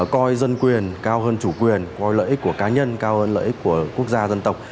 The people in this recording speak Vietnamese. coi dân quyền cao hơn chủ quyền coi lợi ích của cá nhân cao hơn lợi ích của quốc gia dân tộc